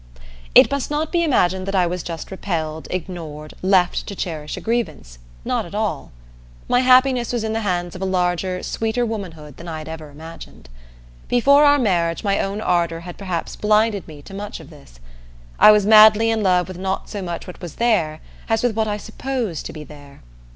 It must not be imagined that I was just repelled, ignored, left to cherish a grievance. Not at all. My happiness was in the hands of a larger, sweeter womanhood than I had ever imagined. Before our marriage my own ardor had perhaps blinded me to much of this. I was madly in love with not so much what was there as with what I supposed to be there.